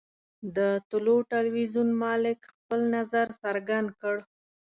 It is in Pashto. د طلوع ټلویزیون مالک خپل نظر څرګند کړ.